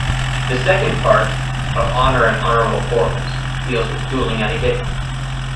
The second part, "Of Honor and Honorable Quarrels"," deals with dueling etiquette".